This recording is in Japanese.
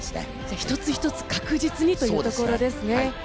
１つ１つ確実にというところですね。